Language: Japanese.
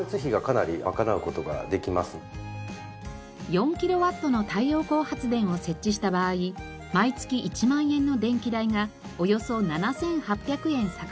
４キロワットの太陽光発電を設置した場合毎月１万円の電気代がおよそ７８００円削減できます。